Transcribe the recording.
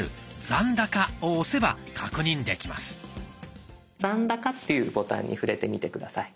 「残高」っていうボタンに触れてみて下さい。